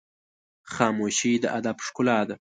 خاموشي، د ادب ښکلا ده.